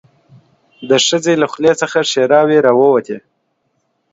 د ښځې له خولې څخه ښيراوې راووتې.